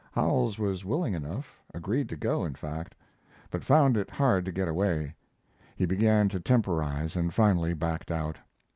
Howells was willing enough agreed to go, in fact but found it hard to get away. He began to temporize and finally backed out.